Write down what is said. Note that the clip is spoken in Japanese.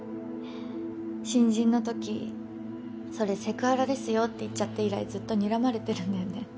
新人のときそれセクハラですよって言っちゃって以来ずっとにらまれてるんだよね。